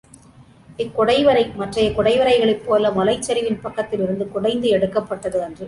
இக்குடைவரை மற்றைய குடைவரைகளைப் போல மலைச்சரிவின் பக்கத்திலிருந்து குடைந்து எடுக்கப்பட்டது அன்று.